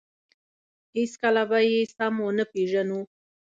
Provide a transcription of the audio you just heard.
هېڅکله به یې سم ونه پېژنو.